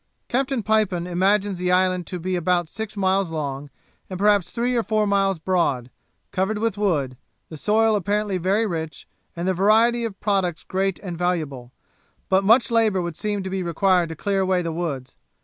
Captain Pipon imagines the island to be about six miles long, and perhaps three or four miles broad, covered with wood; the soil apparently very rich, and the variety of products great and valuable, but much labour would seem to be required to clear away the woods.